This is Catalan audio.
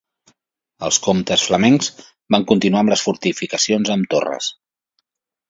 Els comtes flamencs van continuar amb les fortificacions amb torres.